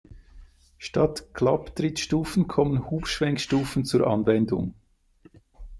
Statt Klapptrittstufen kommen Hub-Schwenkstufen zur Anwendung.